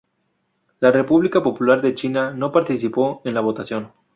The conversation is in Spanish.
La República Popular de China no participó en la votación.